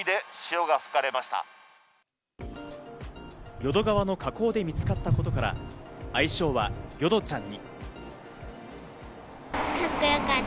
淀川の河口で見つかったことから、愛称は「ヨドちゃん」に。